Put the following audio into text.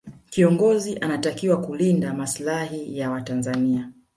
kiongozi anatakiwa kulinde masilahi ya watanzania